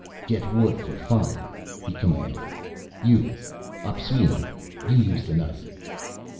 "Get wood for fire," he commanded. "You, Opisweni, you use the knife."